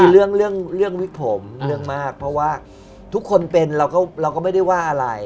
เรื่องมากเพราะว่าทุกคนเป็นเราก็ไม่ได้ว่าอะไร